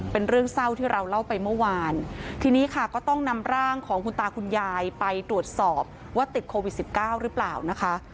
เป็นเรื่องเศร้าที่เราเล่าไปเมื่อวานทีนี้ค่ะก็ต้องนำร่างของคุณตาคุณยายไปตรวจสอบว่าติดโควิดสิบเก้าหรือเปล่านะคะ